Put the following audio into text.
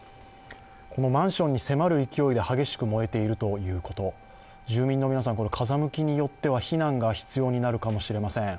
このマンションに迫る勢いで激しく燃えているということ、住民の皆さん、風向きによっては避難が必要になるかもしれません。